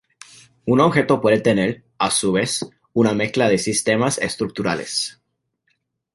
Un objeto puede tener, a su vez, una mezcla de sistemas estructurales.